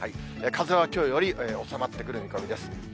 風はきょうより収まってくる見込みです。